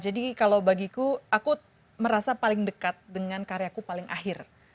jadi kalau bagiku aku merasa paling dekat dengan karyaku paling akhir